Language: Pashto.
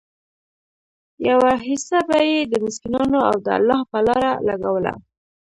يوه حيصه به ئي د مسکينانو او د الله په لاره لګوله